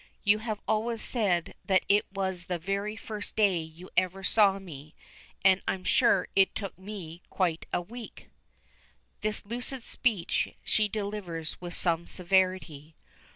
"You have always said that it was the very first day you ever saw me and I'm sure it took me quite a week!" This lucid speech she delivers with some severity.